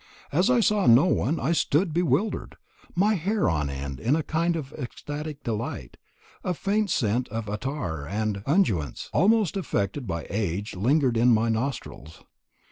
As I saw no one I stood bewildered, my hair on end in a kind of ecstatic delight, and a faint scent of attar and unguents almost effected by age lingered in my nostrils.